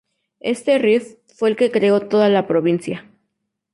Este rift fue el que creó toda la provincia.